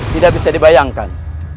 tidak bisa dibayangkan